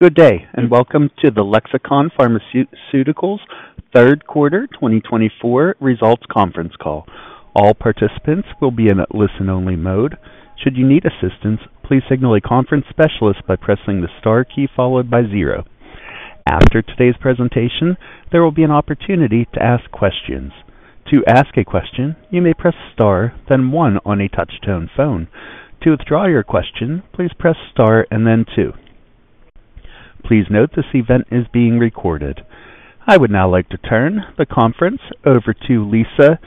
Good day, and welcome to the Lexicon Pharmaceuticals third quarter 2024 results conference call. All participants will be in a listen-only mode. Should you need assistance, please signal a conference specialist by pressing the star key followed by zero. After today's presentation, there will be an opportunity to ask questions. To ask a question, you may press star, then one on a touch-tone phone. To withdraw your question, please press star and then two. Please note this event is being recorded. I would now like to turn the conference over to Lisa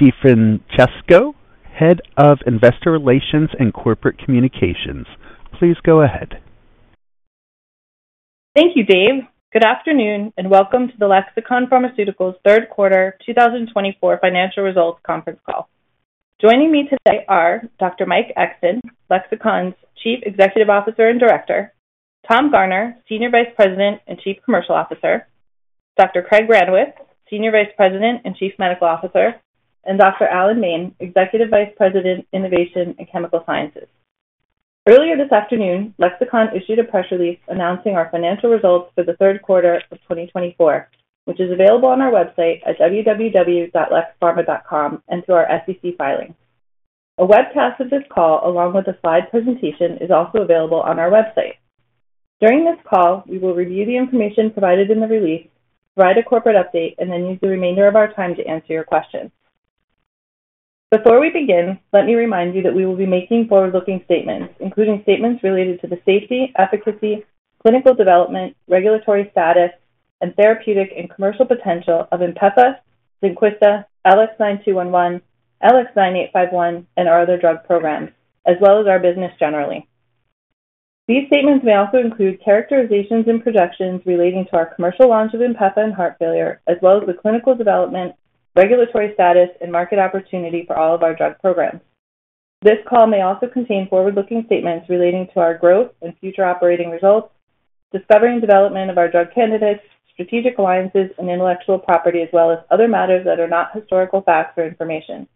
DeFrancesco, Head of Investor Relations and Corporate Communications. Please go ahead. Thank you, Dave. Good afternoon, and welcome to the Lexicon Pharmaceuticals third quarter 2024 Financial Results Conference Call. Joining me today are Dr. Mike Exton, Lexicon's Chief Executive Officer and Director; Tom Garner, Senior Vice President and Chief Commercial Officer; Dr. Craig Granowitz, Senior Vice President and Chief Medical Officer; and Dr. Alan Main, Executive Vice President, Innovation and Chemical Sciences. Earlier this afternoon, Lexicon issued a press release announcing our financial results for the third quarter of 2024, which is available on our website at www.lexipharma.com and through our SEC filing. A webcast of this call, along with a slide presentation, is also available on our website. During this call, we will review the information provided in the release, provide a corporate update, and then use the remainder of our time to answer your questions. Before we begin, let me remind you that we will be making forward-looking statements, including statements related to the safety, efficacy, clinical development, regulatory status, and therapeutic and commercial potential of Inpefa, Zynquista, LX9211, LX9851, and our other drug programs, as well as our business generally. These statements may also include characterizations and projections relating to our commercial launch of Inpefa in heart failure, as well as the clinical development, regulatory status, and market opportunity for all of our drug programs. This call may also contain forward-looking statements relating to our growth and future operating results, discovery and development of our drug candidates, strategic alliances, and intellectual property, as well as other matters that are not historical facts or information.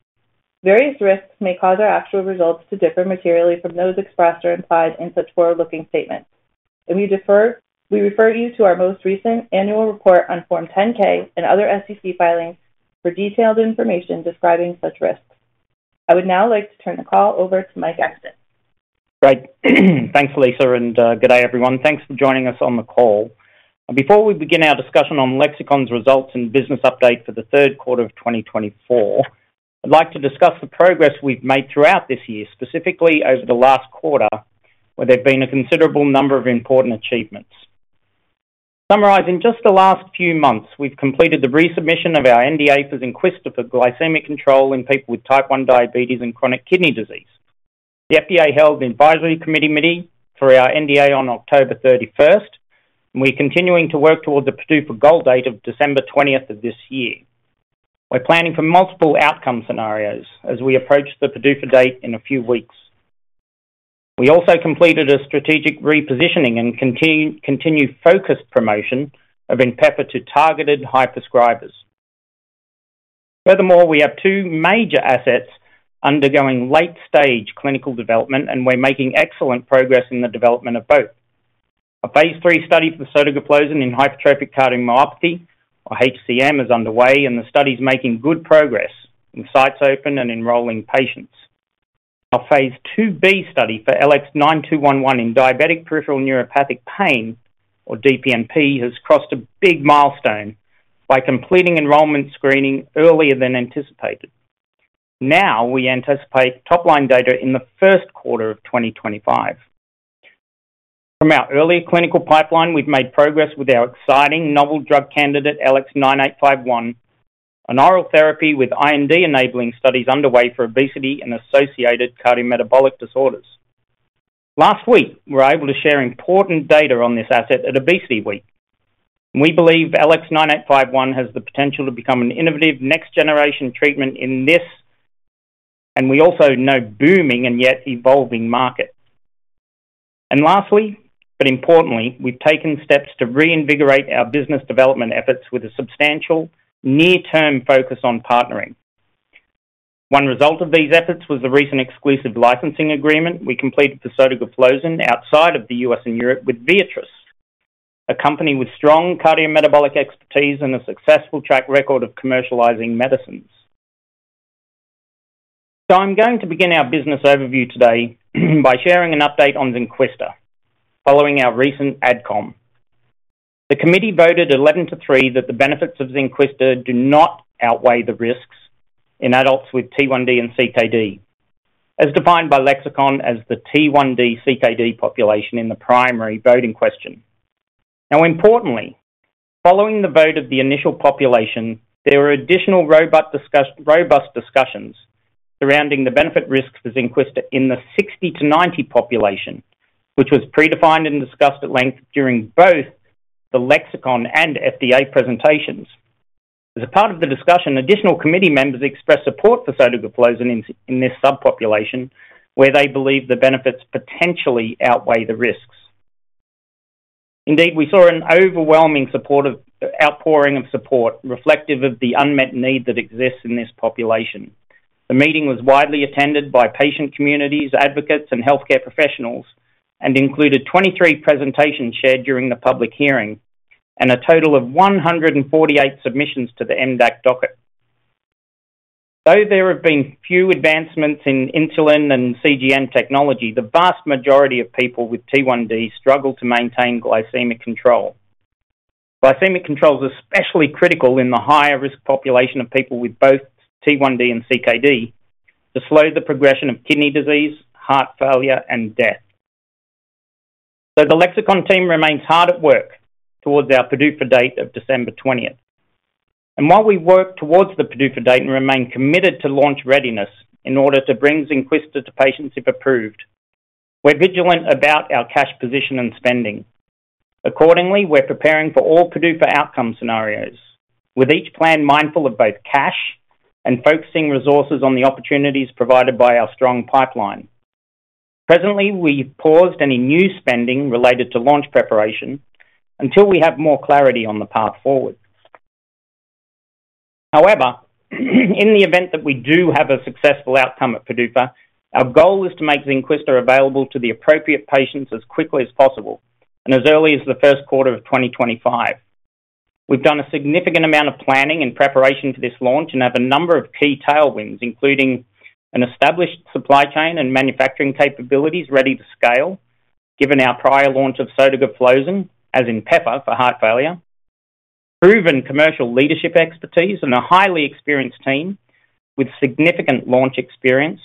Various risks may cause our actual results to differ materially from those expressed or implied in such forward-looking statements, and we refer you to our most recent annual report on Form 10-K and other SEC filings for detailed information describing such risks. I would now like to turn the call over to Mike Exton. Great. Thanks, Lisa, and good day, everyone. Thanks for joining us on the call. Before we begin our discussion on Lexicon's results and business update for the third quarter of 2024, I'd like to discuss the progress we've made throughout this year, specifically over the last quarter, where there have been a considerable number of important achievements. Summarizing just the last few months, we've completed the resubmission of our NDA for Zynquista for glycemic control in people with type 1 diabetes and chronic kidney disease. The FDA held an advisory committee meeting for our NDA on October 31st, and we're continuing to work towards the PDUFA goal date of December 20th of this year. We're planning for multiple outcome scenarios as we approach the PDUFA date in a few weeks. We also completed a strategic repositioning and continued focused promotion of Inpefa to targeted high prescribers. Furthermore, we have two major assets undergoing late-stage clinical development, and we're making excellent progress in the development of both. A phase III study for Sotagliflozin in Hypertrophic Cardiomyopathy, or HCM, is underway, and the study is making good progress with sites open and enrolling patients. Our phase IIb study for LX9211 in Diabetic Peripheral Neuropathic pain, or DPNP, has crossed a big milestone by completing enrollment screening earlier than anticipated. Now we anticipate top-line data in the first quarter of 2025. From our earlier clinical pipeline, we've made progress with our exciting novel drug candidate, LX9851, an oral therapy with IND-enabling studies underway for obesity and associated cardiometabolic disorders. Last week, we were able to share important data on this asset at ObesityWeek. We believe LX9851 has the potential to become an innovative next-generation treatment in this booming and yet evolving market. Lastly, but importantly, we've taken steps to reinvigorate our business development efforts with a substantial near-term focus on partnering. One result of these efforts was the recent exclusive licensing agreement we completed for sotagliflozin outside of the U.S. and Europe with Viatris, a company with strong cardiometabolic expertise and a successful track record of commercializing medicines. I'm going to begin our business overview today by sharing an update on Zynquista following our recent adcom. The committee voted 11 to 3 that the benefits of Zynquista do not outweigh the risks in adults with T1D and CKD, as defined by Lexicon as the T1D-CKD population in the primary vote in question. Now, importantly, following the vote of the initial population, there were additional robust discussions surrounding the benefit risks for Zynquista in the 60 population to 90 population, which was predefined and discussed at length during both the Lexicon and FDA presentations. As a part of the discussion, additional committee members expressed support for sotagliflozin in this subpopulation, where they believe the benefits potentially outweigh the risks. Indeed, we saw an overwhelming outpouring of support reflective of the unmet need that exists in this population. The meeting was widely attended by patient communities, advocates, and healthcare professionals, and included 23 presentations shared during the public hearing and a total of 148 submissions to the EMDAC docket. Though there have been few advancements in insulin and CGM technology, the vast majority of people with T1D struggle to maintain glycemic control. Glycemic control is especially critical in the higher-risk population of people with both T1D and CKD to slow the progression of kidney disease, heart failure, and death. So the Lexicon team remains hard at work towards our PDUFA date of December 20th. And while we work towards the PDUFA date and remain committed to launch readiness in order to bring Zynquista to patients if approved, we're vigilant about our cash position and spending. Accordingly, we're preparing for all PDUFA outcome scenarios, with each plan mindful of both cash and focusing resources on the opportunities provided by our strong pipeline. Presently, we've paused any new spending related to launch preparation until we have more clarity on the path forward. However, in the event that we do have a successful outcome at PDUFA, our goal is to make Zynquista available to the appropriate patients as quickly as possible and as early as the first quarter of 2025. We've done a significant amount of planning and preparation for this launch and have a number of key tailwinds, including an established supply chain and manufacturing capabilities ready to scale given our prior launch of sotagliflozin, as Inpefa for heart failure, proven commercial leadership expertise, and a highly experienced team with significant launch experience,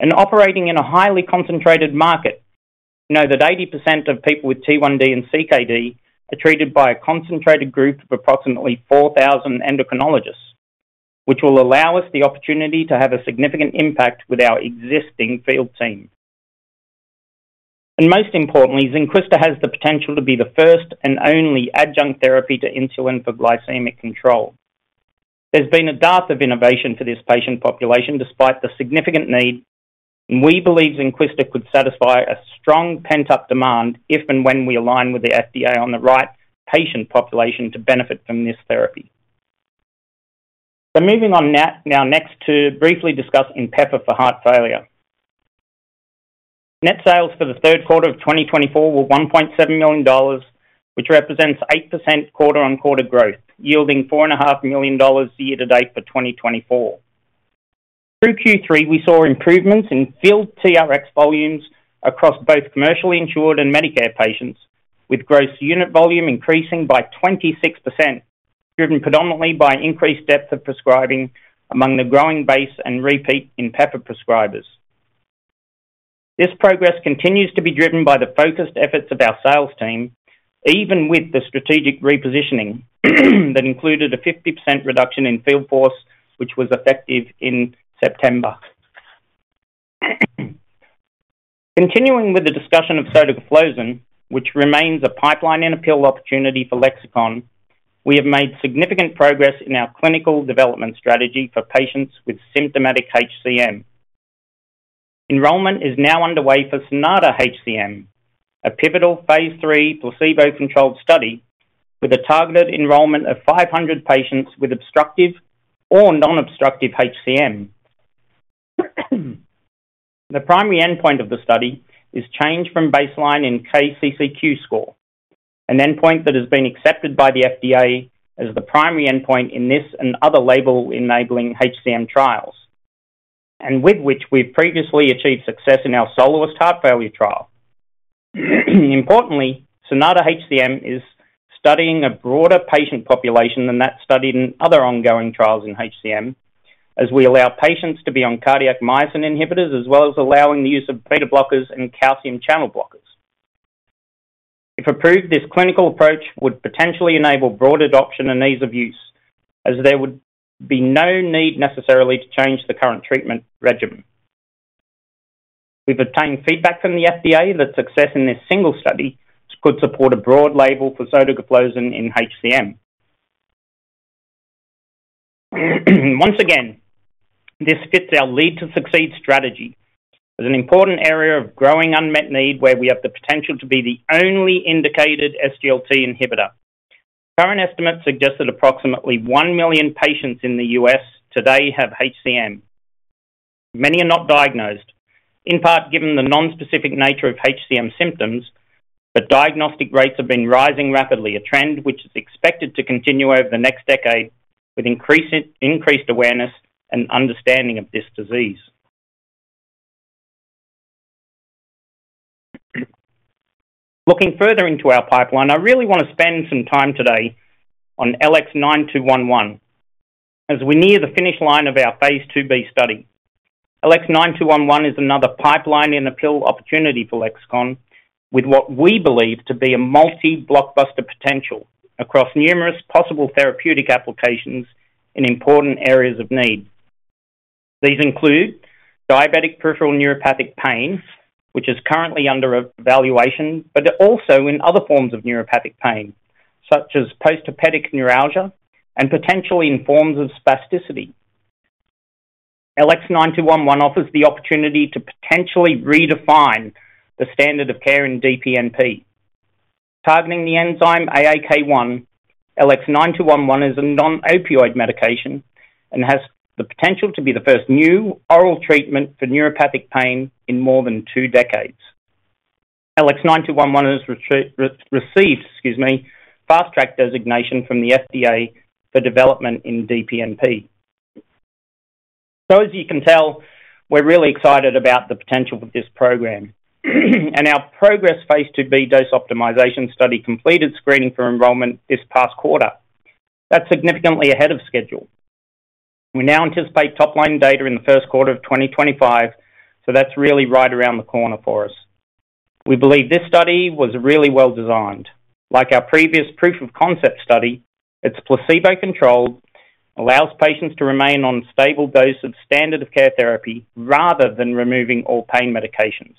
and operating in a highly concentrated market. We know that 80% of people with T1D and CKD are treated by a concentrated group of approximately 4,000 endocrinologists, which will allow us the opportunity to have a significant impact with our existing field team. Most importantly, Zynquista has the potential to be the first and only adjunct therapy to insulin for glycemic control. There's been a dearth of innovation for this patient population despite the significant need, and we believe Zynquista could satisfy a strong pent-up demand if and when we align with the FDA on the right patient population to benefit from this therapy. Moving on now next to briefly discuss Inpefa for heart failure. Net sales for the third quarter of 2024 were $1.7 million, which represents 8% quarter-on-quarter growth, yielding $4.5 million year-to-date for 2024. Through Q3, we saw improvements in field TRX volumes across both commercially insured and Medicare patients with gross unit volume increasing by 26%, driven predominantly by increased depth of prescribing among the growing base and repeat Inpefa prescribers. This progress continues to be driven by the focused efforts of our sales team, even with the strategic repositioning that included a 50% reduction in field force, which was effective in September. Continuing with the discussion of sotagliflozin, which remains a pipeline-in-a-pill opportunity for Lexicon, we have made significant progress in our clinical development strategy for patients with symptomatic HCM. Enrollment is now underway for SONATA-HCM, a pivotal phase 3 placebo-controlled study with a targeted enrollment of 500 patients with obstructive or non-obstructive HCM. The primary endpoint of the study is change from baseline in KCCQ score, an endpoint that has been accepted by the FDA as the primary endpoint in this and other label-enabling HCM trials, and with which we've previously achieved success in our SOLOIST heart failure trial. Importantly, SONATA-HCM is studying a broader patient population than that studied in other ongoing trials in HCM, as we allow patients to be on cardiac myosin inhibitors as well as allowing the use of beta-blockers and calcium channel blockers. If approved, this clinical approach would potentially enable broad adoption and ease of use, as there would be no need necessarily to change the current treatment regimen. We've obtained feedback from the FDA that success in this single study could support a broad label for sotagliflozin in HCM. Once again, this fits our lead-to-succeed strategy as an important area of growing unmet need, where we have the potential to be the only indicated SGLT inhibitor. Current estimates suggest that approximately 1 million patients in the U.S. today have HCM. Many are not diagnosed, in part given the non-specific nature of HCM symptoms, the diagnostic rates have been rising rapidly, a trend which is expected to continue over the next decade with increased awareness and understanding of this disease. Looking further into our pipeline, I really want to spend some time today on LX9211 as we near the finish line of our phase IIb study. LX9211 is another pipeline-in-a-pill opportunity for Lexicon with what we believe to be a multi-blockbuster potential across numerous possible therapeutic applications in important areas of need. These include diabetic peripheral neuropathic pain, which is currently under evaluation, but also in other forms of neuropathic pain, such as post-herpetic neuralgia and potentially in forms of spasticity. LX9211 offers the opportunity to potentially redefine the standard of care in DPNP. Targeting the enzyme AAK1, LX9211 is a non-opioid medication and has the potential to be the first new oral treatment for neuropathic pain in more than two decades. LX9211 has received Fast Track designation from the FDA for development in DPNP. So, as you can tell, we're really excited about the potential for this program, and our PROGRESS phase IIb dose optimization study completed screening for enrollment this past quarter. That's significantly ahead of schedule. We now anticipate top-line data in the first quarter of 2025, so that's really right around the corner for us. We believe this study was really well designed. Like our previous proof-of-concept study, it's placebo-controlled and allows patients to remain on a stable dose of standard-of-care therapy rather than removing all pain medications.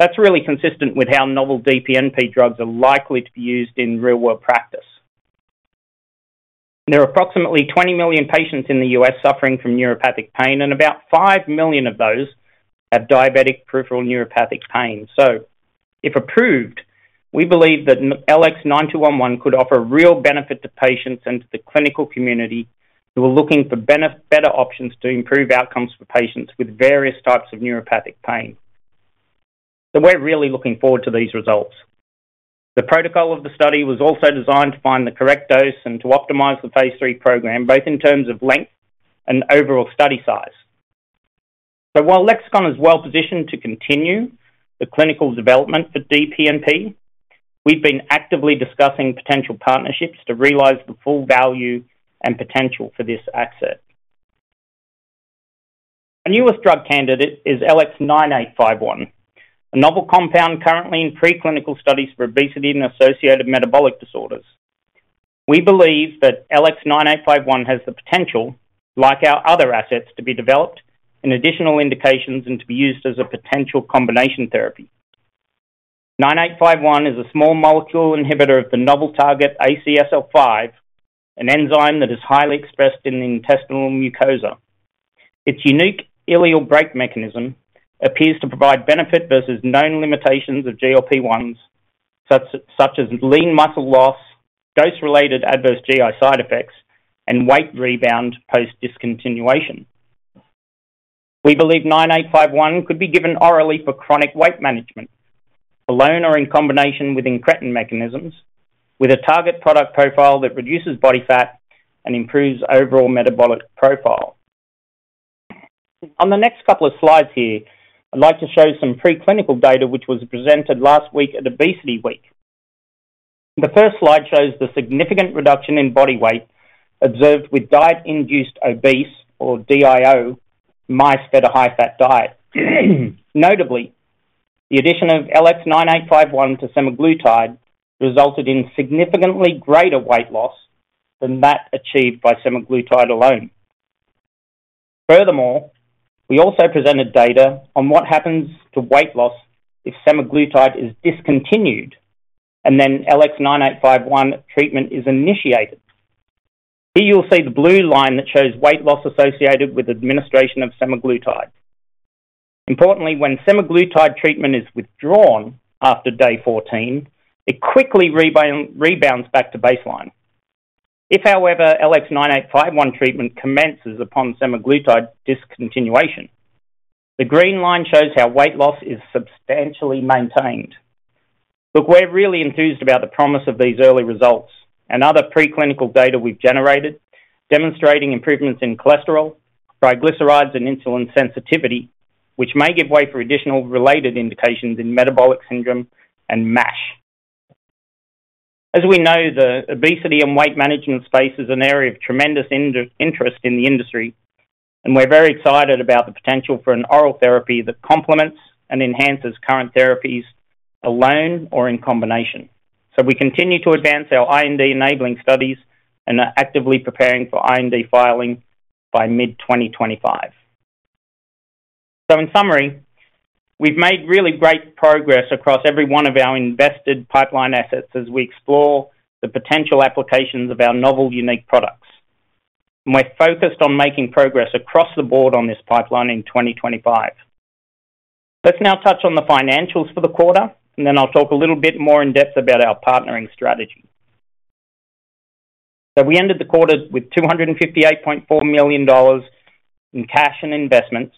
That's really consistent with how novel DPNP drugs are likely to be used in real-world practice. There are approximately 20 million patients in the U.S. suffering from neuropathic pain, and about 5 million of those have diabetic peripheral neuropathic pain. So, if approved, we believe that LX9211 could offer real benefit to patients and to the clinical community who are looking for better options to improve outcomes for patients with various types of neuropathic pain. So we're really looking forward to these results. The protocol of the study was also designed to find the correct dose and to optimize the phase III program, both in terms of length and overall study size. So, while Lexicon is well positioned to continue the clinical development for DPNP, we've been actively discussing potential partnerships to realize the full value and potential for this asset. Our newest drug candidate is LX9851, a novel compound currently in preclinical studies for obesity and associated metabolic disorders. We believe that LX9851 has the potential, like our other assets, to be developed in additional indications and to be used as a potential combination therapy. 9851 is a small molecule inhibitor of the novel target ACSL5, an enzyme that is highly expressed in the intestinal mucosa. Its unique ileal brake mechanism appears to provide benefit versus known limitations of GLP-1s, such as lean muscle loss, dose-related adverse GI side effects, and weight rebound post-discontinuation. We believe 9851 could be given orally for chronic weight management, alone or in combination with incretin mechanisms, with a target product profile that reduces body fat and improves overall metabolic profile. On the next couple of slides here, I'd like to show some preclinical data which was presented last week at ObesityWeek. The first slide shows the significant reduction in body weight observed with diet-induced obese, or DIO, mice fed a high-fat diet. Notably, the addition of LX9851 to semaglutide resulted in significantly greater weight loss than that achieved by semaglutide alone. Furthermore, we also presented data on what happens to weight loss if semaglutide is discontinued and then LX9851 treatment is initiated. Here you'll see the blue line that shows weight loss associated with administration of semaglutide. Importantly, when semaglutide treatment is withdrawn after day 14, it quickly rebounds back to baseline. If, however, LX9851 treatment commences upon semaglutide discontinuation, the green line shows how weight loss is substantially maintained. Look, we're really enthused about the promise of these early results and other preclinical data we've generated demonstrating improvements in cholesterol, triglycerides, and insulin sensitivity, which may give way for additional related indications in metabolic syndrome and MASH. As we know, the obesity and weight management space is an area of tremendous interest in the industry, and we're very excited about the potential for an oral therapy that complements and enhances current therapies alone or in combination. So we continue to advance our IND-enabling studies and are actively preparing for IND filing by mid-2025. So, in summary, we've made really great progress across every one of our invested pipeline assets as we explore the potential applications of our novel unique products. And we're focused on making progress across the board on this pipeline in 2025. Let's now touch on the financials for the quarter, and then I'll talk a little bit more in depth about our partnering strategy. So we ended the quarter with $258.4 million in cash and investments.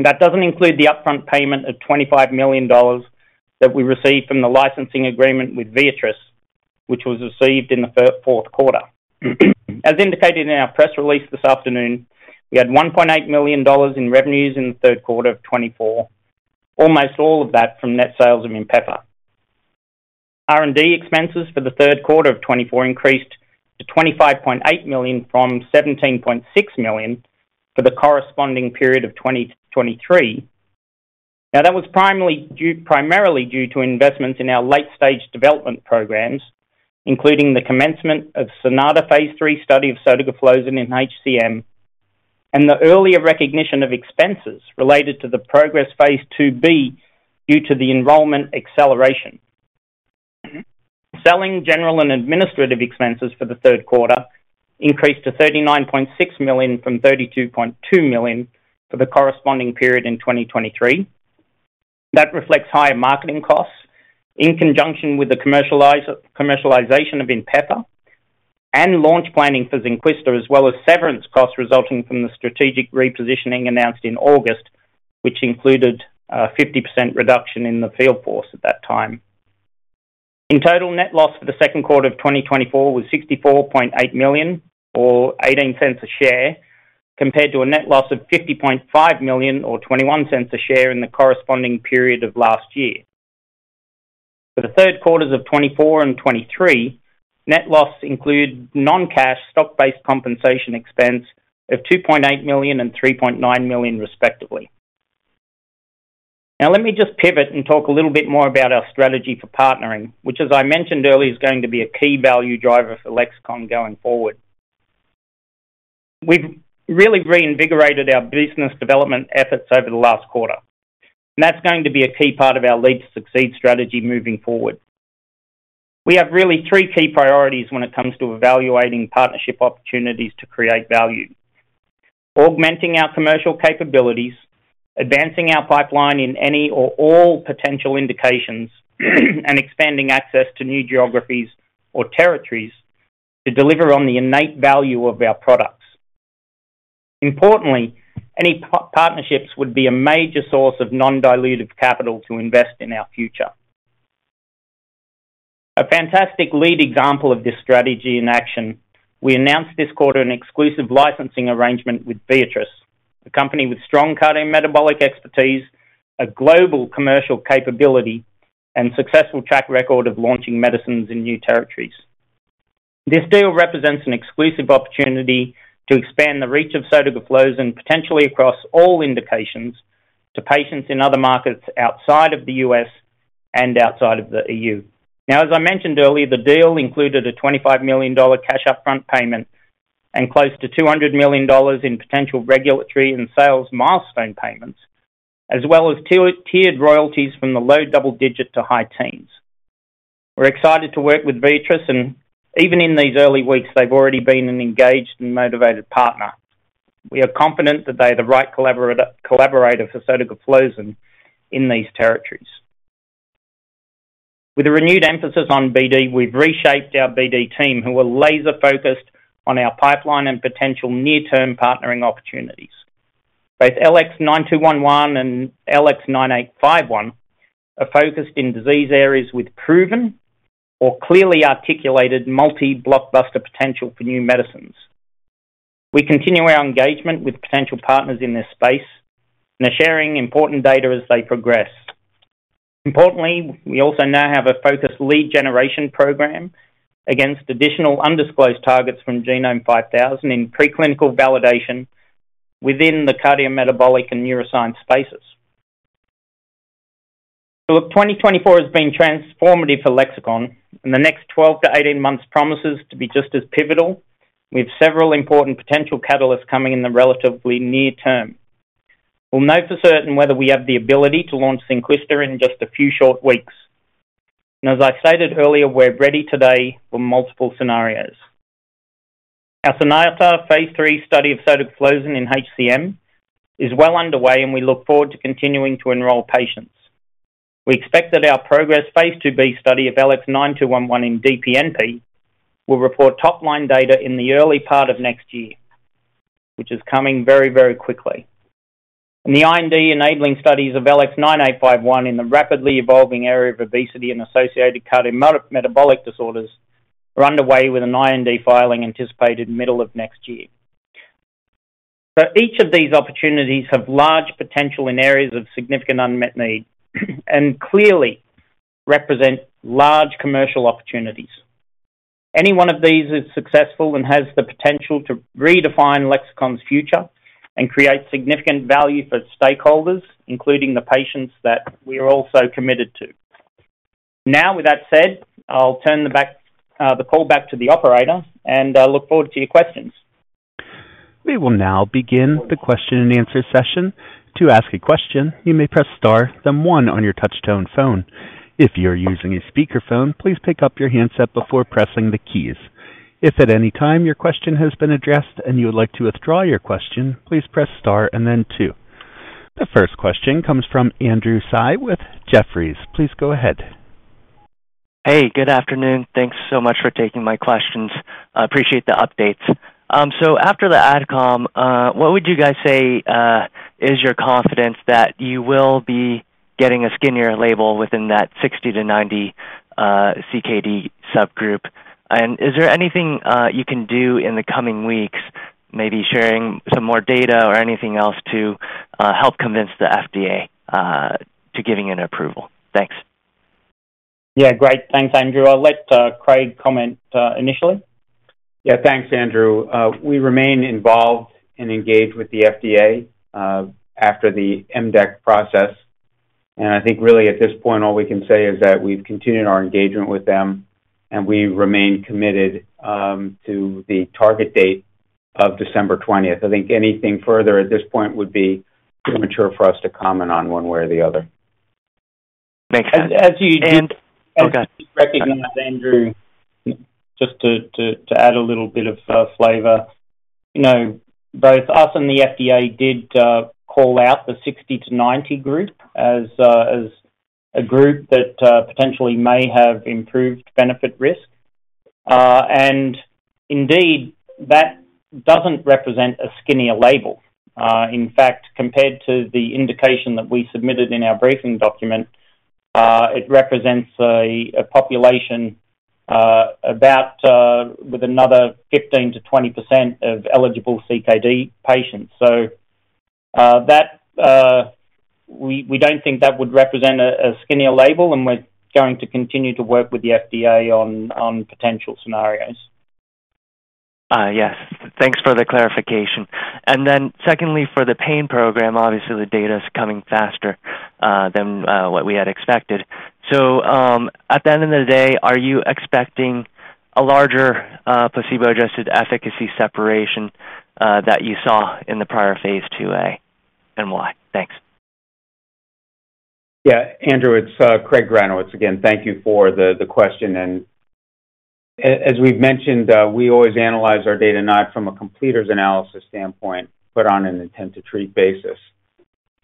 That doesn't include the upfront payment of $25 million that we received from the licensing agreement with Viatris, which was received in the fourth quarter. As indicated in our press release this afternoon, we had $1.8 million in revenues in the third quarter of 2024, almost all of that from net sales of Inpefa. R&D expenses for the third quarter of 2024 increased to $25.8 million from $17.6 million for the corresponding period of 2023. Now, that was primarily due to investments in our late-stage development programs, including the commencement of Sonata phase III study of sotagliflozin in HCM and the earlier recognition of expenses related to the PROGRESS phase IIb due to the enrollment acceleration. Selling general and administrative expenses for the third quarter increased to $39.6 million from $32.2 million for the corresponding period in 2023. That reflects higher marketing costs in conjunction with the commercialization of Inpefa and launch planning for Zynquista, as well as severance costs resulting from the strategic repositioning announced in August, which included a 50% reduction in the field force at that time. In total, net loss for the second quarter of 2024 was $64.8 million or $0.18 a share, compared to a net loss of $50.5 million or $0.21 a share, in the corresponding period of last year. For the third quarters of 2024 and 2023, net loss included non-cash stock-based compensation expense of $2.8 million and $3.9 million, respectively. Now, let me just pivot and talk a little bit more about our strategy for partnering, which, as I mentioned earlier, is going to be a key value driver for Lexicon going forward. We've really reinvigorated our business development efforts over the last quarter and that's going to be a key part of our lead-to-succeed strategy moving forward. We have really three key priorities when it comes to evaluating partnership opportunities to create value: augmenting our commercial capabilities, advancing our pipeline in any or all potential indications, and expanding access to new geographies or territories to deliver on the innate value of our products. Importantly, any partnerships would be a major source of non-dilutive capital to invest in our future. A fantastic lead example of this strategy in action: we announced this quarter an exclusive licensing arrangement with Viatris, a company with strong cardiometabolic expertise, a global commercial capability, and a successful track record of launching medicines in new territories. This deal represents an exclusive opportunity to expand the reach of sotagliflozin potentially across all indications to patients in other markets outside of the U.S. and outside of the EU. Now, as I mentioned earlier, the deal included a $25 million cash upfront payment and close to $200 million in potential regulatory and sales milestone payments, as well as tiered royalties from the low-double digit to high-teens. We're excited to work with Viatris, and even in these early weeks, they've already been an engaged and motivated partner. We are confident that they are the right collaborator for sotagliflozin in these territories. With a renewed emphasis on BD, we've reshaped our BD team, who are laser-focused on our pipeline and potential near-term partnering opportunities. Both LX9211 and LX9851 are focused in disease areas with proven or clearly articulated multi-blockbuster potential for new medicines. We continue our engagement with potential partners in this space and are sharing important data as they progress. Importantly, we also now have a focused lead generation program against additional undisclosed targets from Genome 5000 in preclinical validation within the cardiometabolic and neuroscience spaces. Look, 2024 has been transformative for Lexicon, and the next 12-18 months promises to be just as pivotal with several important potential catalysts coming in the relatively near term. We'll know for certain whether we have the ability to launch Zynquista in just a few short weeks. And as I stated earlier, we're ready today for multiple scenarios. Our SONATA phase III study of sotagliflozin in HCM is well underway, and we look forward to continuing to enroll patients. We expect that our PROGRESS phase IIb study of LX9211 in DPNP will report top-line data in the early part of next year, which is coming very, very quickly, and the IND-enabling studies of LX9851 in the rapidly evolving area of obesity and associated cardiometabolic disorders are underway with an IND filing anticipated middle of next year. Each of these opportunities have large potential in areas of significant unmet need and clearly represent large commercial opportunities. Any one of these is successful and has the potential to redefine Lexicon's future and create significant value for stakeholders, including the patients that we are also committed to. Now, with that said, I'll turn the call back to the operator, and I look forward to your questions. We will now begin the question-and-answer session. To ask a question, you may press star then one on your touch-tone phone. If you're using a speakerphone, please pick up your handset before pressing the keys. If at any time your question has been addressed and you would like to withdraw your question, please press star and then two. The first question comes from Andrew Tsai with Jefferies. Please go ahead. Hey, good afternoon. Thanks so much for taking my questions. I appreciate the updates. So after the adcom, what would you guys say is your confidence that you will be getting a skinnier label within that 60 CKD to 90 CKD subgroup? And is there anything you can do in the coming weeks, maybe sharing some more data or anything else to help convince the FDA to give you an approval? Thanks. Yeah, great. Thanks, Andrew. I'll let Craig comment initially. Yeah, thanks, Andrew. We remain involved and engaged with the FDA after the MDAC process. I think really at this point, all we can say is that we've continued our engagement with them, and we remain committed to the target date of December 20th. I think anything further at this point would be premature for us to comment on one way or the other. Makes sense. As you recognize. Andrew, just to add a little bit of flavor, both us and the FDA did call out the 60 to 90 group as a group that potentially may have improved benefit risk. And indeed, that doesn't represent a skinnier label. In fact, compared to the indication that we submitted in our briefing document, it represents a population with another 15% to 20% of eligible CKD patients. So we don't think that would represent a skinnier label, and we're going to continue to work with the FDA on potential scenarios. Yes. Thanks for the clarification. And then secondly, for the pain program, obviously the data is coming faster than what we had expected. So at the end of the day, are you expecting a larger placebo-adjusted efficacy separation that you saw in the prior phase IIa and why? Thanks. Yeah, Andrew, it's Craig Granowitz again. Thank you for the question. And as we've mentioned, we always analyze our data not from a completer's analysis standpoint, but on an intent-to-treat basis.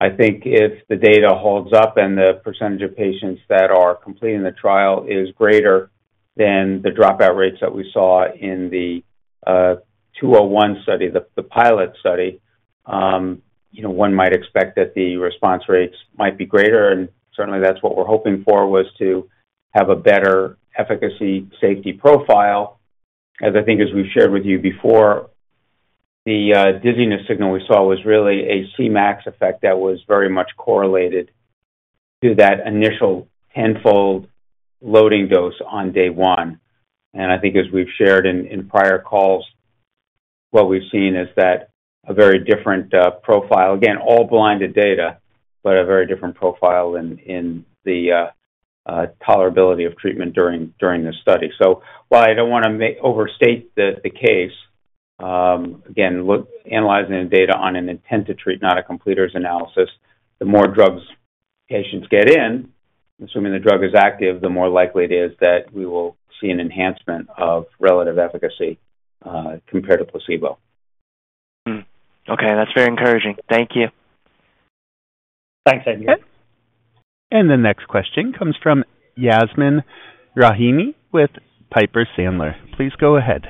I think if the data holds up and the percentage of patients that are completing the trial is greater than the dropout rates that we saw in the 201 study, the pilot study, one might expect that the response rates might be greater. And certainly, that's what we're hoping for, was to have a better efficacy safety profile. As I think, as we've shared with you before, the dizziness signal we saw was really a C-max effect that was very much correlated to that initial tenfold loading dose on day one. And I think, as we've shared in prior calls, what we've seen is that a very different profile. Again, all blinded data, but a very different profile in the tolerability of treatment during this study. So while I don't want to overstate the case, again, analyzing the data on an intent-to-treat, not a completer's analysis, the more drugs patients get in, assuming the drug is active, the more likely it is that we will see an enhancement of relative efficacy compared to placebo. Okay. That's very encouraging. Thank you. Thanks, Andrew. And the next question comes from Yasmeen Rahimi with Piper Sandler. Please go ahead.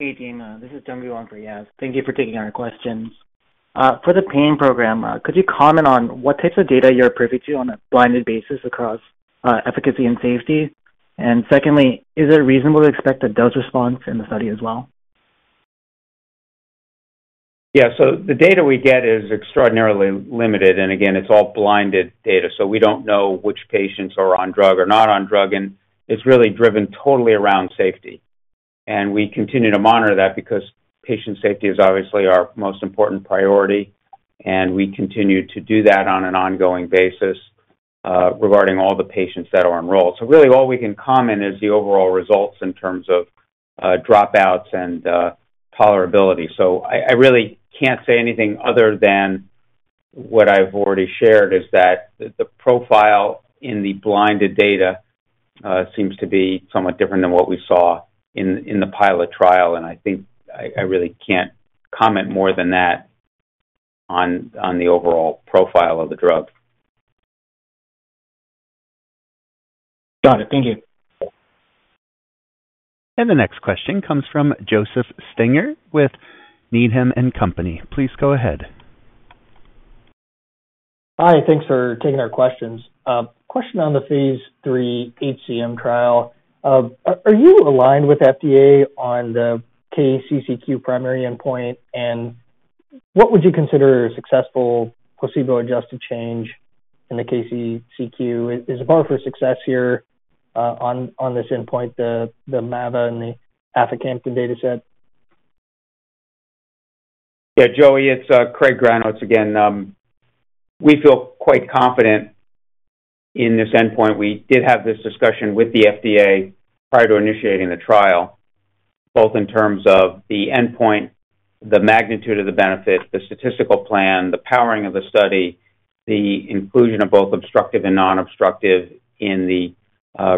Hey, team. This is Tom Gillon for Yaz. Thank you for taking our questions. For the pain program, could you comment on what types of data you're privy to on a blinded basis across efficacy and safety? And secondly, is it reasonable to expect a dose response in the study as well? Yeah. So the data we get is extraordinarily limited. And again, it's all blinded data, so we don't know which patients are on drug or not on drug. And it's really driven totally around safety. And we continue to monitor that because patient safety is obviously our most important priority. And we continue to do that on an ongoing basis regarding all the patients that are enrolled. So really, all we can comment is the overall results in terms of dropouts and tolerability. So I really can't say anything other than what I've already shared, that the profile in the blinded data seems to be somewhat different than what we saw in the pilot trial. And I think I really can't comment more than that on the overall profile of the drug. Got it. Thank you. And the next question comes from Joseph Stringer with Needham & Company. Please go ahead. Hi. Thanks for taking our questions. Question on the phase three HCM trial. Are you aligned with FDA on the KCCQ primary endpoint? And what would you consider a successful placebo-adjusted change in the KCCQ? Is the bar for success here on this endpoint the MAVA and the Aficamtan data set? Yeah, Joey, it's Craig Granowitz again. We feel quite confident in this endpoint. We did have this discussion with the FDA prior to initiating the trial, both in terms of the endpoint, the magnitude of the benefit, the statistical plan, the powering of the study, the inclusion of both obstructive and non-obstructive in the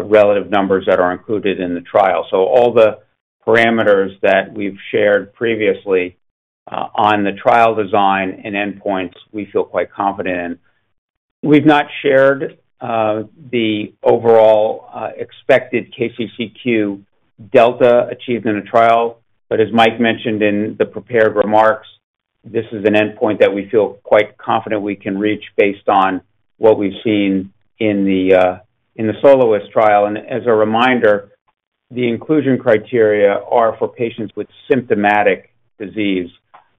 relative numbers that are included in the trial. So all the parameters that we've shared previously on the trial design and endpoints, we feel quite confident in. We've not shared the overall expected KCCQ delta achieved in a trial. But as Mike mentioned in the prepared remarks, this is an endpoint that we feel quite confident we can reach based on what we've seen in the SOLOIST trial. And as a reminder, the inclusion criteria are for patients with symptomatic disease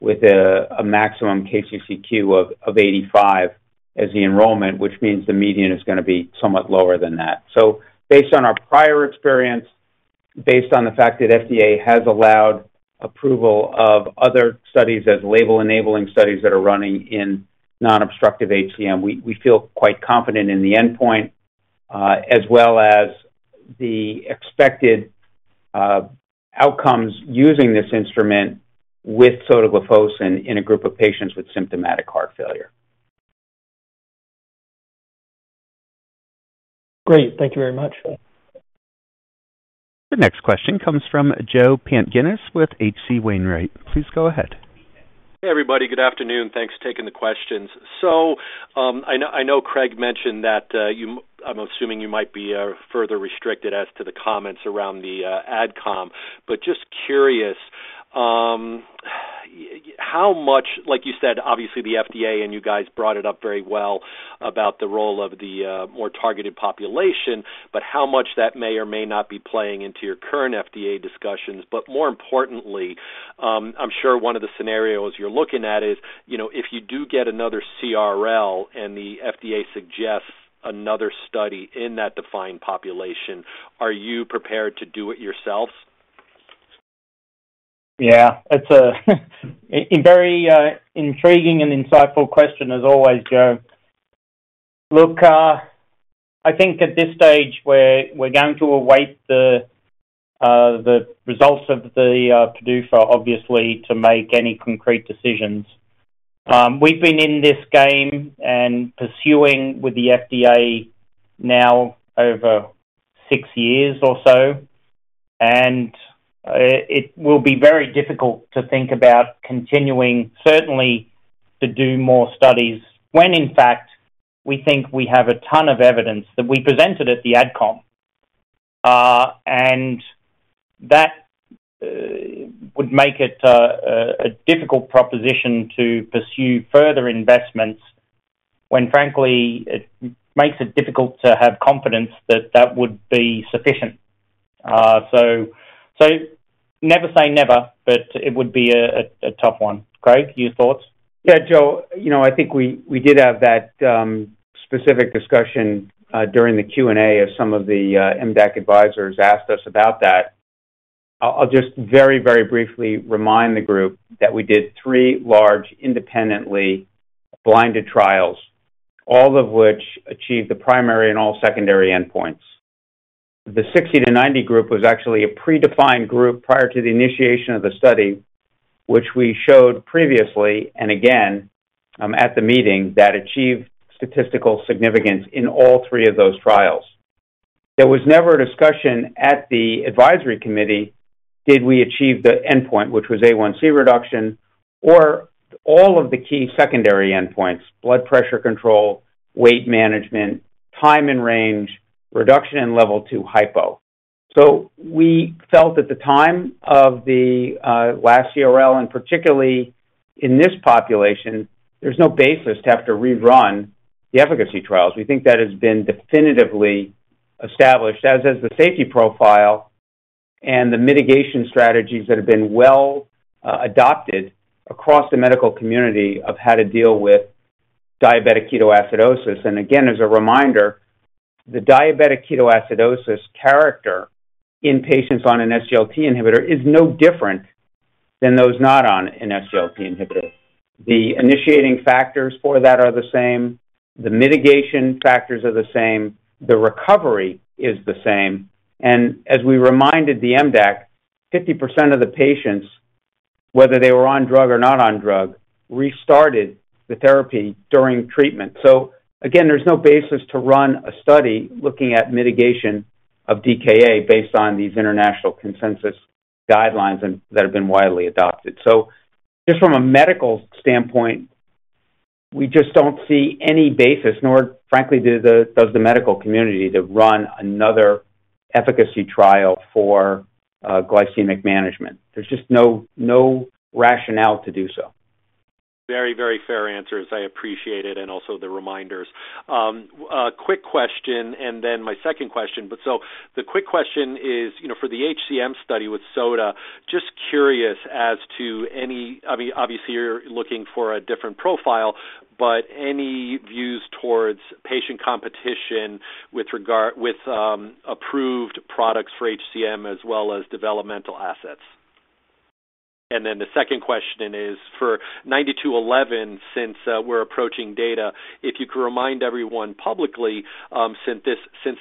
with a maximum KCCQ of 85 as the enrollment, which means the median is going to be somewhat lower than that. So based on our prior experience, based on the fact that FDA has allowed approval of other studies as label-enabling studies that are running in non-obstructive HCM, we feel quite confident in the endpoint as well as the expected outcomes using this instrument with sotagliflozin in a group of patients with symptomatic heart failure. Great. Thank you very much. The next question comes from Joe Pantginis with H.C. Wainwright. Please go ahead. Hey, everybody. Good afternoon. Thanks for taking the questions. So I know Craig mentioned that I'm assuming you might be further restricted as to the comments around the adcom. But just curious, how much, like you said, obviously the FDA and you guys brought it up very well about the role of the more targeted population but how much that may or may not be playing into your current FDA discussions. But more importantly, I'm sure one of the scenarios you're looking at is if you do get another CRL and the FDA suggests another study in that defined population, are you prepared to do it yourselves? Yeah. It's a very intriguing and insightful question, as always, Joe. Look, I think at this stage we're going to await the results of the PDUFA, obviously, to make any concrete decisions. We've been in this game and pursuing with the FDA now over six years or so. And it will be very difficult to think about continuing, certainly, to do more studies when, in fact, we think we have a ton of evidence that we presented at the adcom. And that would make it a difficult proposition to pursue further investments when, frankly, it makes it difficult to have confidence that that would be sufficient. So never say never, but it would be a tough one. Craig, your thoughts? Yeah, Joe. I think we did have that specific discussion during the Q&A as some of the MDAC advisors asked us about that. I'll just very, very briefly remind the group that we did three large independently blinded trials, all of which achieved the primary and all secondary endpoints. The 60 to 90 group was actually a predefined group prior to the initiation of the study, which we showed previously and again at the meeting that achieved statistical significance in all three of those trials. There was never a discussion at the advisory committee, did we achieve the endpoint, which was A1C reduction or all of the key secondary endpoints: blood pressure control, weight management, time and range, reduction in level two hypo. So we felt at the time of the last CRL and particularly in this population, there's no basis to have to rerun the efficacy trials. We think that has been definitively established, as has the safety profile and the mitigation strategies that have been well adopted across the medical community of how to deal with diabetic ketoacidosis. And again, as a reminder, the diabetic ketoacidosis character in patients on an SGLT inhibitor is no different than those not on an SGLT inhibitor. The initiating factors for that are the same. The mitigation factors are the same. The recovery is the same. And as we reminded the MDAC, 50% of the patients, whether they were on drug or not on drug, restarted the therapy during treatment. So again, there's no basis to run a study looking at mitigation of DKA based on these international consensus guidelines that have been widely adopted. So just from a medical standpoint, we just don't see any basis, nor frankly does the medical community, to run another efficacy trial for glycemic management. There's just no rationale to do so. Very, very fair answers. I appreciate it and also the reminders. Quick question, and then my second question. So the quick question is, for the HCM study with sotagliflozin, just curious as to any, I mean, obviously you're looking for a different profile, but any views towards patient competition with approved products for HCM as well as developmental assets? And then the second question is, for 9211, since we're approaching data, if you could remind everyone publicly, since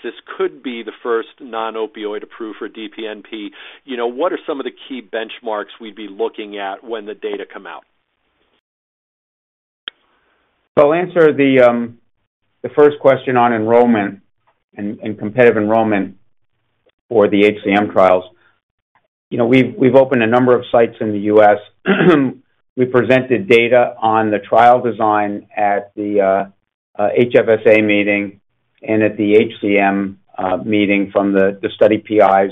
this could be the first non-opioid approved for DPNP, what are some of the key benchmarks we'd be looking at when the data come out? So I'll answer the first question on enrollment and competitive enrollment for the HCM trials. We've opened a number of sites in the U.S. We presented data on the trial design at the HFSA meeting and at the HCM meeting from the study PIs.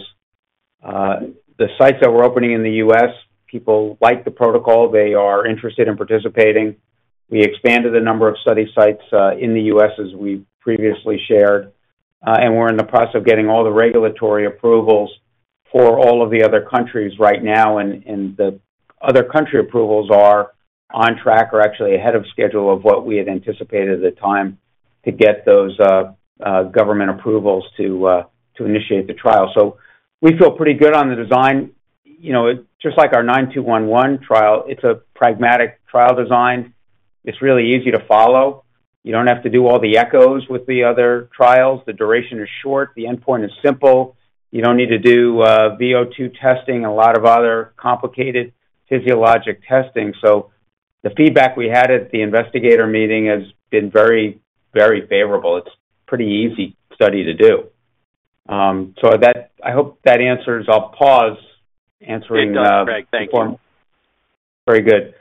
The sites that we're opening in the U.S., people like the protocol. They are interested in participating. We expanded the number of study sites in the U.S., as we previously shared. And we're in the process of getting all the regulatory approvals for all of the other countries right now. And the other country approvals are on track or actually ahead of schedule of what we had anticipated at the time to get those government approvals to initiate the trial. So we feel pretty good on the design. Just like our 9211 trial, it's a pragmatic trial design. It's really easy to follow. You don't have to do all the echoes with the other trials. The duration is short. The endpoint is simple. You don't need to do VO2 testing and a lot of other complicated physiologic testing. So the feedback we had at the investigator meeting has been very, very favorable. It's a pretty easy study to do. So I hope that answers. I'll pause answering that. Good job, Craig. Thank you. Very good.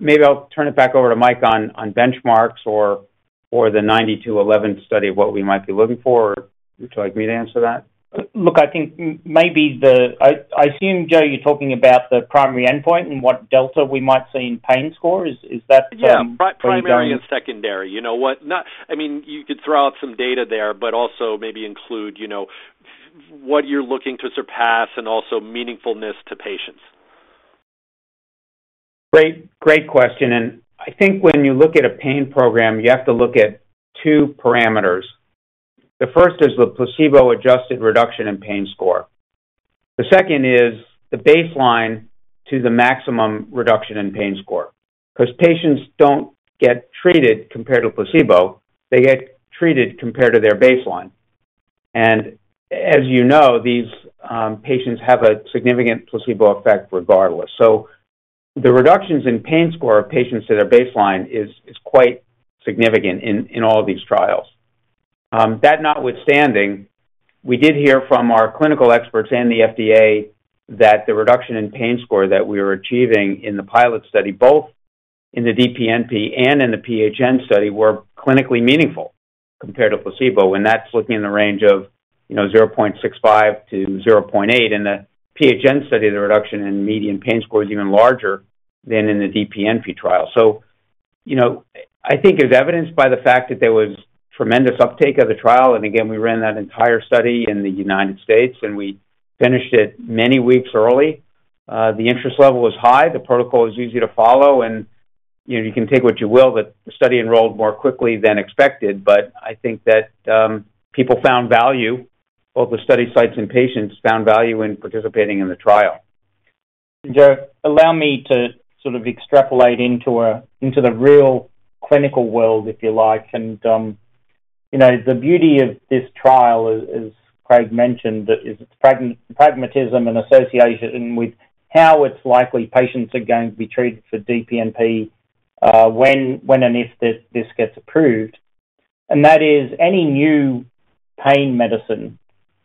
Maybe I'll turn it back over to Mike on benchmarks or the LX9211 study, what we might be looking for. Would you like me to answer that? Look, I think maybe I assume, Joe, you're talking about the primary endpoint and what delta we might see in pain score. Is that something? Yeah. Primary and secondary. I mean, you could throw out some data there, but also maybe include what you're looking to surpass and also meaningfulness to patients. Great question. I think when you look at a pain program, you have to look at two parameters. The first is the placebo-adjusted reduction in pain score. The second is the baseline to the maximum reduction in pain score. Because patients don't get treated compared to placebo, they get treated compared to their baseline, and as you know, these patients have a significant placebo effect regardless. So the reductions in pain score of patients at their baseline is quite significant in all of these trials. That notwithstanding, we did hear from our clinical experts and the FDA that the reduction in pain score that we were achieving in the pilot study, both in the DPNP and in the PHN study were clinically meaningful compared to placebo and that's looking in the range of 0.65-0.8. In the PHN study, the reduction in median pain score is even larger than in the DPNP trial. So I think it was evidenced by the fact that there was tremendous uptake of the trial. And again, we ran that entire study in the United States, and we finished it many weeks early. The interest level was high. The protocol was easy to follow. And you can take what you will, but the study enrolled more quickly than expected. But I think that people found value, both the study sites and patients found value in participating in the trial. Joe, allow me to sort of extrapolate into the real clinical world, if you like. And the beauty of this trial, as Craig mentioned, is its pragmatism in association with how it's likely patients are going to be treated for DPNP when and if this gets approved. And that is, any new pain medicine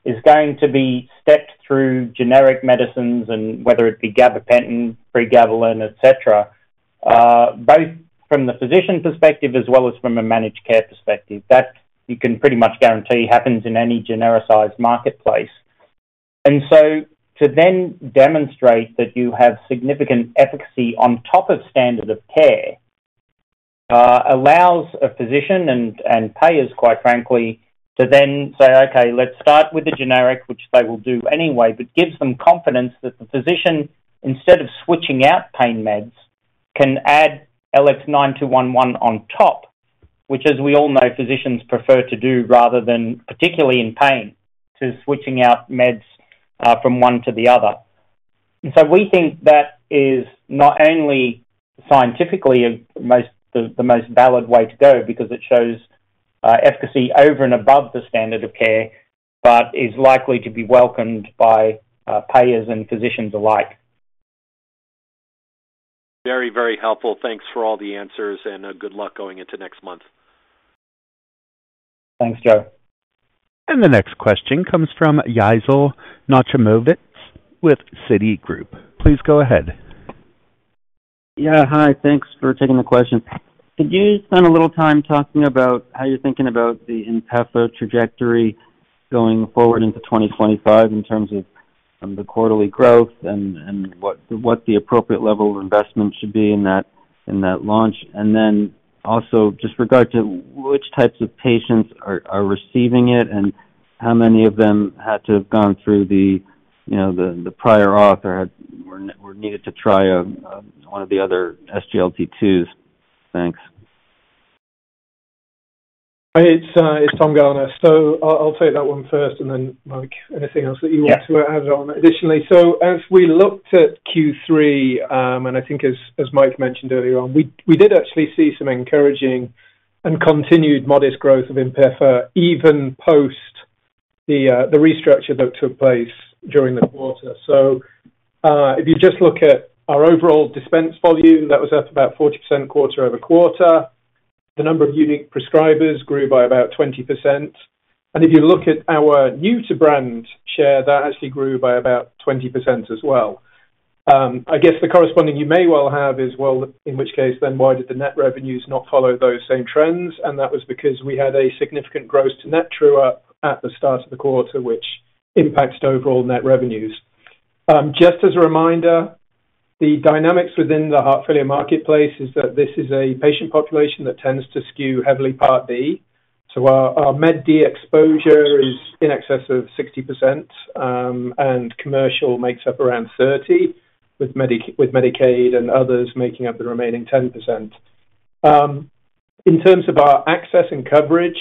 is going to be stepped through generic medicines, whether it be gabapentin, pregabalin, etc., both from the physician perspective as well as from a managed care perspective. That you can pretty much guarantee happens in any genericized marketplace. And so to then demonstrate that you have significant efficacy on top of standard of care allows a physician and payers, quite frankly, to then say, "Okay, let's start with the generic," which they will do anyway, but gives them confidence that the physician, instead of switching out pain meds, can add LX9211 on top, which, as we all know, physicians prefer to do rather than particularly in pain, to switching out meds from one to the other. And so we think that is not only scientifically the most valid way to go because it shows efficacy over and above the standard of care, but is likely to be welcomed by payers and physicians alike. Very, very helpful. Thanks for all the answers, and good luck going into next month. Thanks, Joe. And the next question comes from Yigal Nochomovitz with Citigroup. Please go ahead. Yeah. Hi. Thanks for taking the question. Could you spend a little time talking about how you're thinking about the Inpefa trajectory going forward into 2025 in terms of the quarterly growth and what the appropriate level of investment should be in that launch? And then also with regard to which types of patients are receiving it and how many of them had to have gone through the prior auth or were needed to try one of the other SGLT2s. Thanks. Hey, it's Tom Garner. So I'll take that one first, and then Mike, anything else that you want to add on additionally. So as we looked at Q3, and I think as Mike mentioned earlier on, we did actually see some encouraging and continued modest growth of Inpefa, even post the restructure that took place during the quarter. So if you just look at our overall dispense volume, that was up about 40% quarter-over-quarter. The number of unique prescribers grew by about 20%. And if you look at our new-to-brand share, that actually grew by about 20% as well. I guess the corresponding you may well have is, "Well, in which case then, why did the net revenues not follow those same trends?" And that was because we had a significant gross-to-net true-up at the start of the quarter, which impacts overall net revenues. Just as a reminder, the dynamics within the heart failure marketplace is that this is a patient population that tends to skew heavily Part B, so our MedD exposure is in excess of 60%, and commercial makes up around 30%, with Medicaid and others making up the remaining 10%. In terms of our access and coverage,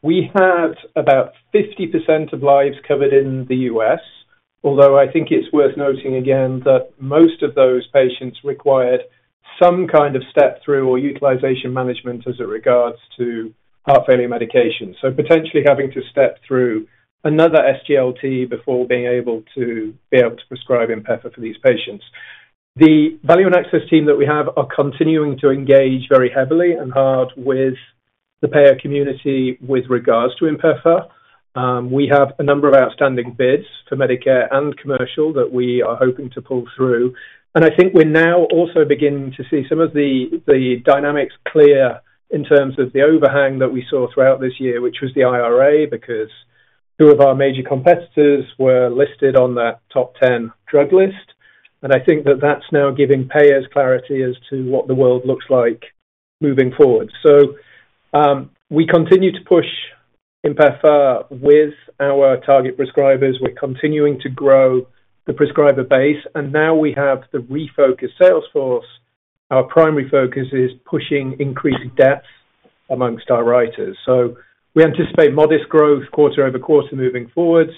we had about 50% of lives covered in the U.S., although I think it's worth noting again that most of those patients required some kind of step therapy or utilization management as it regards to heart failure medication, so potentially having to step through another SGLT before being able to prescribe Inpefa for these patients. The value and access team that we have are continuing to engage very heavily and hard with the payer community with regards to Inpefa. We have a number of outstanding bids for Medicare and commercial that we are hoping to pull through. And I think we're now also beginning to see some of the dynamics clear in terms of the overhang that we saw throughout this year, which was the IRA, because two of our major competitors were listed on that top 10 drug list. And I think that that's now giving payers clarity as to what the world looks like moving forward. So we continue to push Inpefa with our target prescribers. We're continuing to grow the prescriber base. And now we have the refocused sales force. Our primary focus is pushing increased depth among our writers. So we anticipate modest growth quarter over quarter moving forward.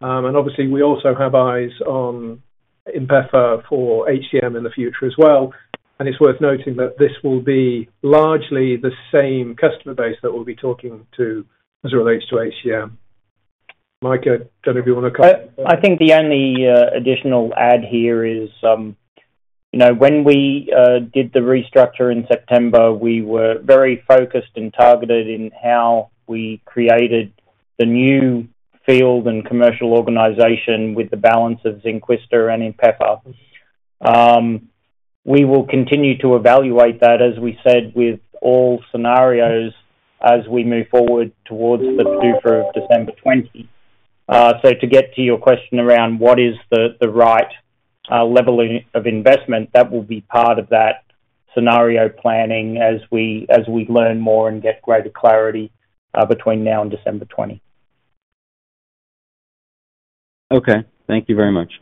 And obviously, we also have eyes on Inpefa for HCM in the future as well. It's worth noting that this will be largely the same customer base that we'll be talking to as it relates to HCM. Mike, I don't know if you want to comment. I think the only additional add here is when we did the restructure in September, we were very focused and targeted in how we created the new field and commercial organization with the balance of Zynquista and Inpefa. We will continue to evaluate that, as we said, with all scenarios as we move forward towards the PDUFA of December 20. So to get to your question around what is the right level of investment, that will be part of that scenario planning as we learn more and get greater clarity between now and December 20. Okay. Thank you very much.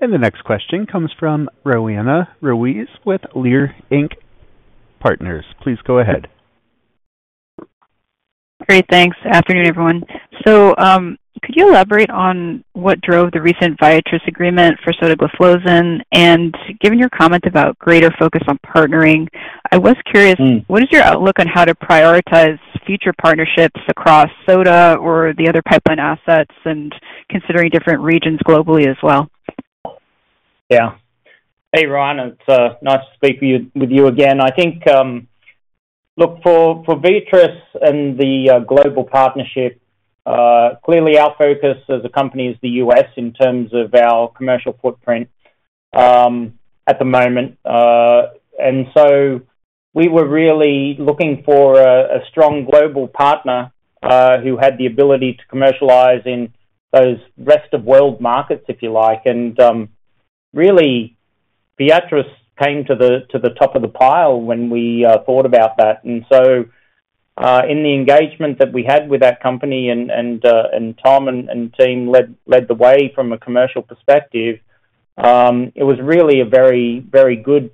And the next question comes from Roanna Ruiz with Leerink Partners. Please go ahead. Great. Thanks. Afternoon, everyone. Could you elaborate on what drove the recent Viatris agreement for sotagliflozin? And given your comment about greater focus on partnering, I was curious, what is your outlook on how to prioritize future partnerships across sotagliflozin or the other pipeline assets and considering different regions globally as well? Yeah. Hey, Ron. It's nice to speak with you again. I think look for Viatris and the global partnership. Clearly, our focus as a company is the U.S. in terms of our commercial footprint at the moment. And so we were really looking for a strong global partner who had the ability to commercialize in those rest-of-world markets, if you like. And really, Viatris came to the top of the pile when we thought about that. And so in the engagement that we had with that company and Tom and team led the way from a commercial perspective, it was really a very, very good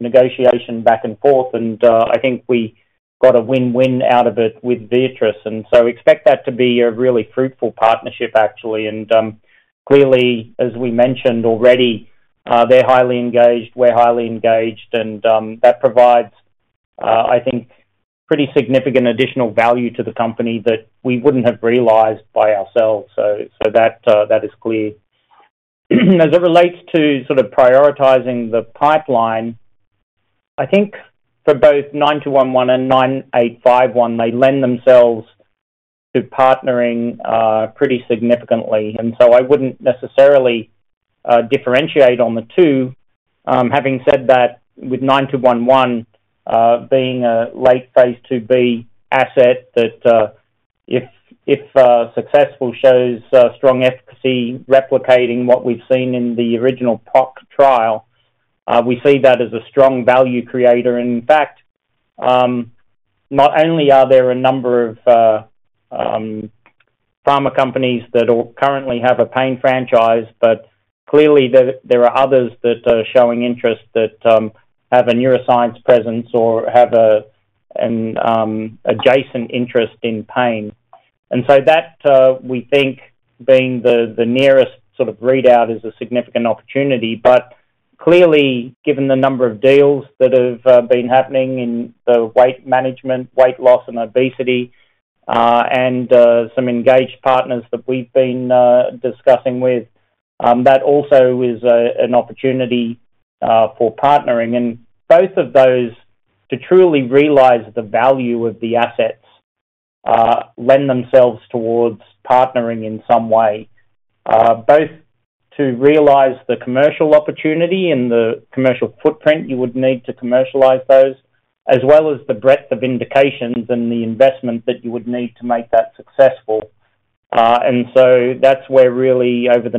negotiation back and forth. And I think we got a win-win out of it with Viatris. And so expect that to be a really fruitful partnership, actually. And clearly, as we mentioned already, they're highly engaged. We're highly engaged and that provides, I think, pretty significant additional value to the company that we wouldn't have realized by ourselves. So that is clear. As it relates to sort of prioritizing the pipeline, I think for both 9211 and 9851, they lend themselves to partnering pretty significantly. And so I wouldn't necessarily differentiate on the two. Having said that, with 9211 being a late-phase IIb asset that if successful shows strong efficacy replicating what we've seen in the original POC trial, we see that as a strong value creator. And in fact, not only are there a number of pharma companies that currently have a pain franchise, but clearly, there are others that are showing interest that have a neuroscience presence or have an adjacent interest in pain. And so that, we think, being the nearest sort of readout is a significant opportunity. But clearly, given the number of deals that have been happening in the weight management, weight loss, and obesity, and some engaged partners that we've been discussing with, that also is an opportunity for partnering. And both of those, to truly realize the value of the assets, lend themselves towards partnering in some way. Both to realize the commercial opportunity and the commercial footprint you would need to commercialize those, as well as the breadth of indications and the investment that you would need to make that successful. And so that's where really, over the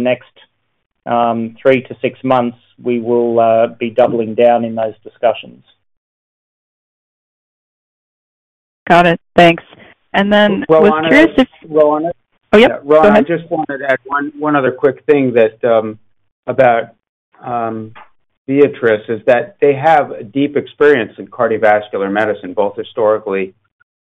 next three to six months, we will be doubling down in those discussions. Got it. Thanks. And then was curious if. Well, Ron. Oh, yeah. Go ahead. Ron, I just wanted to add one other quick thing about Viatris is that they have a deep experience in cardiovascular medicine, both historically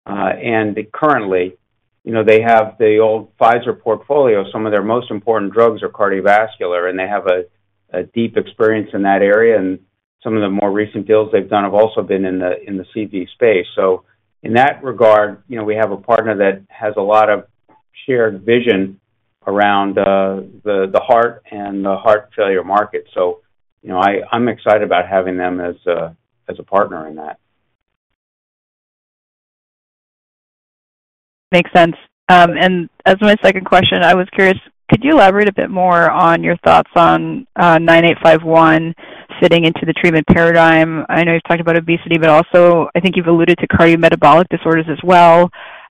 and currently. They have the old Pfizer portfolio. Some of their most important drugs are cardiovascular, and they have a deep experience in that area. And some of the more recent deals they've done have also been in the CV space. So in that regard, we have a partner that has a lot of shared vision around the heart and the heart failure market. So I'm excited about having them as a partner in that. Makes sense. And as my second question, I was curious, could you elaborate a bit more on your thoughts on 9851 fitting into the treatment paradigm? I know you've talked about obesity, but also I think you've alluded to cardiometabolic disorders as well.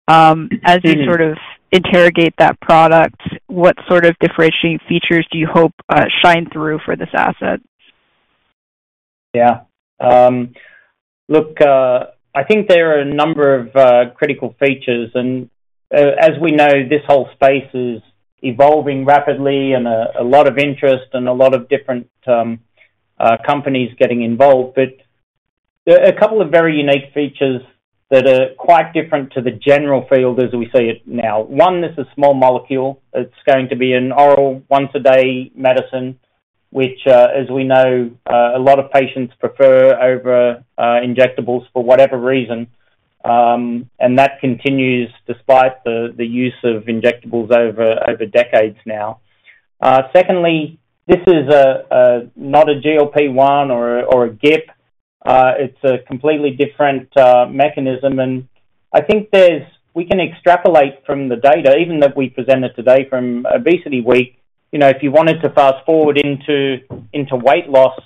As you sort of interrogate that product, what sort of differentiating features do you hope shine through for this asset? Yeah. Look, I think there are a number of critical features. And as we know, this whole space is evolving rapidly and a lot of interest and a lot of different companies getting involved. But a couple of very unique features that are quite different to the general field as we see it now. One, this is a small molecule. It's going to be an oral once-a-day medicine, which, as we know, a lot of patients prefer over injectables for whatever reason. And that continues despite the use of injectables over decades now. Secondly, this is not a GLP-1 or a GIP. It's a completely different mechanism. And I think we can extrapolate from the data, even that we presented today from ObesityWeek. If you wanted to fast forward into weight loss,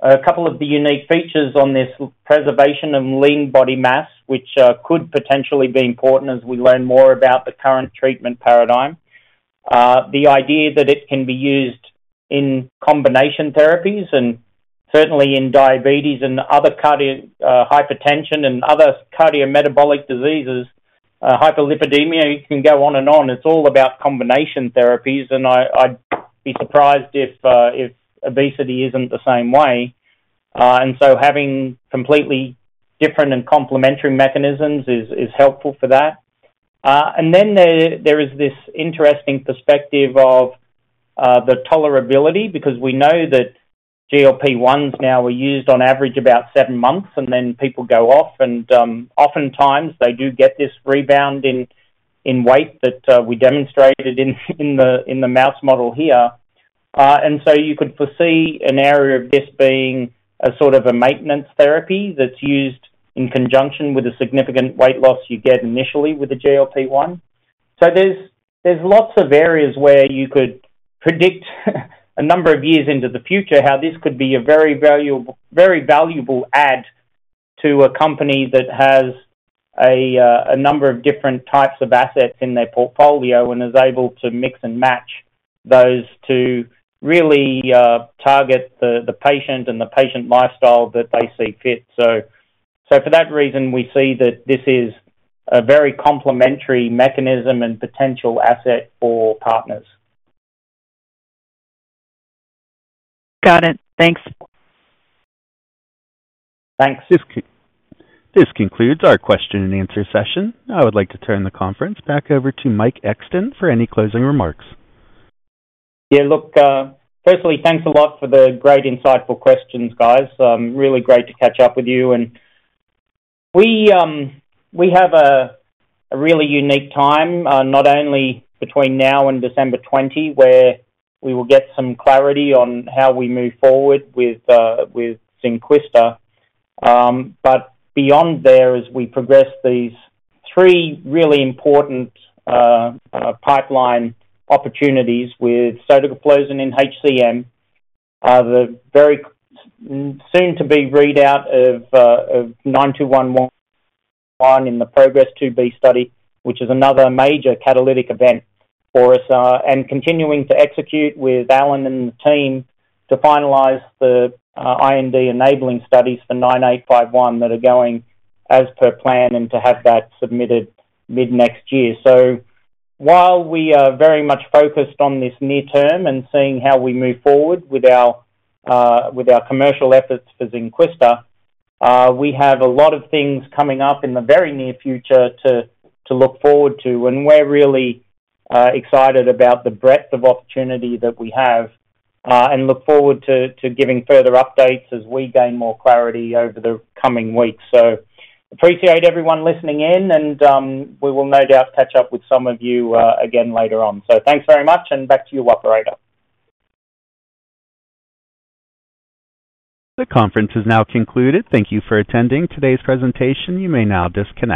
a couple of the unique features on this preservation of lean body mass, which could potentially be important as we learn more about the current treatment paradigm. The idea that it can be used in combination therapies and certainly in diabetes and other cardiometabolic diseases, hyperlipidemia, you can go on and on. It's all about combination therapies. And I'd be surprised if obesity isn't the same way. And so having completely different and complementary mechanisms is helpful for that. And then there is this interesting perspective of the tolerability because we know that GLP-1s now are used on average about seven months, and then people go off. And oftentimes, they do get this rebound in weight that we demonstrated in the mouse model here. And so you could foresee an area of this being a sort of a maintenance therapy that's used in conjunction with the significant weight loss you get initially with the GLP-1. So there's lots of areas where you could predict a number of years into the future how this could be a very valuable add to a company that has a number of different types of assets in their portfolio and is able to mix and match those to really target the patient and the patient lifestyle that they see fit. So for that reason, we see that this is a very complementary mechanism and potential asset for partners. Got it. Thanks. Thanks. This concludes our question and answer session. I would like to turn the conference back over to Mike Exton for any closing remarks. Yeah. Look, firstly, thanks a lot for the great insightful questions, guys. Really great to catch up with you. We have a really unique time, not only between now and December 20, where we will get some clarity on how we move forward with Zynquista, but beyond there, as we progress these three really important pipeline opportunities with sotagliflozin in HCM, the very soon-to-be readout of 9211 in the PROGRESS phase IIb study, which is another major catalytic event for us, and continuing to execute with Alan and the team to finalize the IND-enabling studies for 9851 that are going as per plan and to have that submitted mid-next year, so while we are very much focused on this near-term and seeing how we move forward with our commercial efforts for Zynquista, we have a lot of things coming up in the very near future to look forward to. And we're really excited about the breadth of opportunity that we have and look forward to giving further updates as we gain more clarity over the coming weeks. So appreciate everyone listening in, and we will no doubt catch up with some of you again later on. So thanks very much, and back to you, operator. The conference has now concluded. Thank you for attending today's presentation. You may now disconnect.